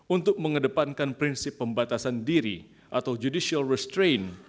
untuk mengedepankan prinsip pembatasan diri atau judicial restrain